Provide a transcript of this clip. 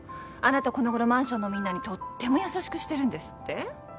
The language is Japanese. あなたこの頃マンションのみんなにとっても優しくしてるんですって？